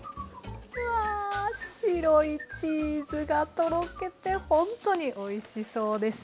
うわ白いチーズがとろけてほんっとにおいしそうです。